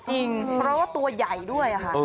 จริงเพราะว่าตัวใหญ่ด้วยค่ะ